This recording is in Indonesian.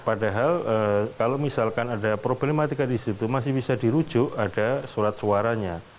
padahal kalau misalkan ada problematika di situ masih bisa dirujuk ada surat suaranya